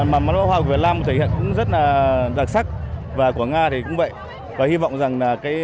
màn bác hoa của việt nam thể hiện rất là đặc sắc và của nga thì cũng vậy và hy vọng rằng